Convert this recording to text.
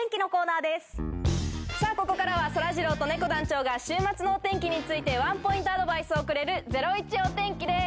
さぁそらジローとねこ団長が週末のお天気についてワンポイントアドバイスをくれるゼロイチお天気です。